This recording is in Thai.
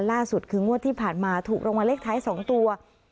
ล่าสุดคืองวดที่ผ่านมาถูกรางวัลเลขท้าย๒ตัว